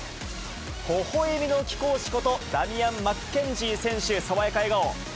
ほほえみの貴公子こと、ダミアン・マッケンジー選手、爽やか笑顔。